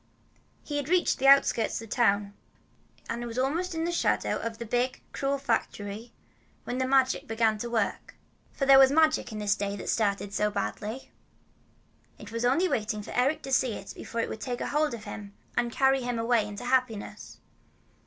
He had reached the outskirts of the town, and was almost in the shadow of the big, cruel factory, when the Magic began to work. For there was magic in this day that had started so badly. It was only waiting for Eric to see it before it would take hold of him and carry him away into happiness.